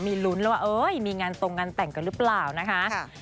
มีลุ้นแล้วว่ามีงานตรงงานแต่งกันหรือเปล่านะคะ